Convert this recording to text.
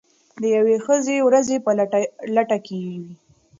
د یوې ښې ورځې په لټه کې یو.